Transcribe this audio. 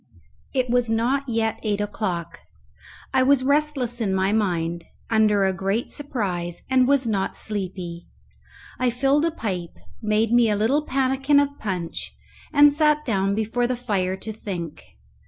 It was not yet eight o'clock. I was restless in my mind, under a great surprise, and was not sleepy. I filled a pipe, made me a little pannikin of punch, and sat down before the fire to think.